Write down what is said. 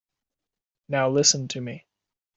Now listen to me.